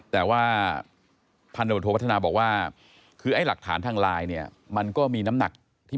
แต่ว่าภัณฑ์ดัมโดยประธานาค์บอกว่าคือรักฐานทางลายก็มีน้ำหนักอ่อนอยู่